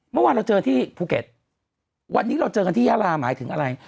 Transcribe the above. เมื่อวานเราเจอที่ภูเก็ตวันนี้เราเจอกันที่ยาลาหมายถึงอะไร